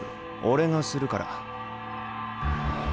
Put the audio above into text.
俺がするから。